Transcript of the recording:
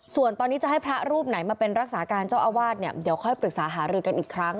ส่วนตอนนี้จะให้พระรูปไหนมาเป็นรักษาการเจ้าอาวาสเนี่ยเดี๋ยวค่อยปรึกษาหารือกันอีกครั้ง